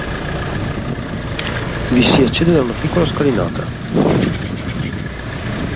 Vi si accede da una piccola scalinata.